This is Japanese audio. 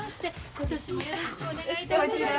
今年もよろしくお願いいたします。